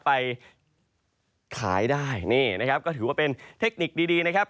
ไปขายได้นี่นะครับก็ถือว่าเป็นเทคนิคดีดีนะครับ